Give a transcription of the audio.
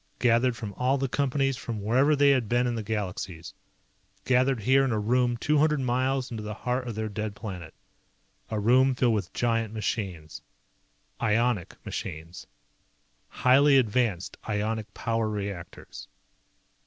Gathered from all the Companies, from wherever they had been in the Galaxies. Gathered here in a room two hundred miles into the heart of their dead planet. A room filled with giant machines. Ionic machines. Highly advanced ionic power reactors.